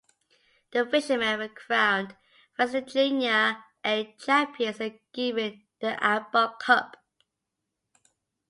The Fishermen were crowned Western Junior "A" Champions and given the Abbott Cup.